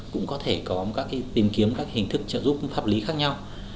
cũng có thể có một cái tìm kiếm các hình thức trợ giúp pháp lý khác nhau